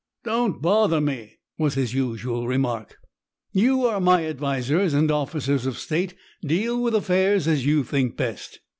"Don't bother me," was his usual remark. "You are my advisors and officers of state. Deal with affairs as you think best."